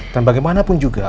dan bagaimanapun juga